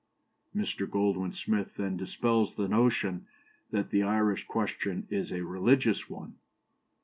" Mr. Goldwin Smith then dispels the notion that the Irish question is a religious one.